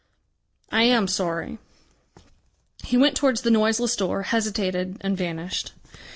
I am sorry." He went towards the noiseless door, hesitated and vanished.